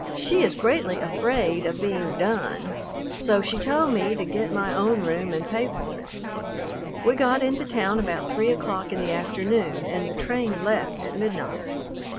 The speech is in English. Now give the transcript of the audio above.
She is greatly afraid of being "done," so she told me to get my own room and pay for it. We got into town about three o'clock in the afternoon, and the train left at midnight.